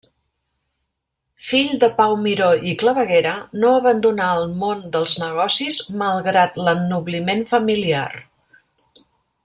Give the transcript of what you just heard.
Fill de Pau Miró i Claveguera, no abandonà el món dels negocis malgrat l'ennobliment familiar.